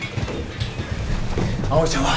葵ちゃんは？